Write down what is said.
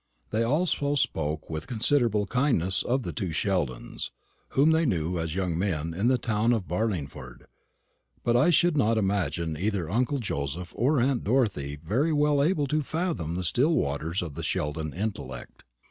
They also spoke with considerable kindness of the two Sheldons, whom they knew as young men in the town of Barlingford; but I should not imagine either uncle Joseph or aunt Dorothy very well able to fathom the still waters of the Sheldon intellect.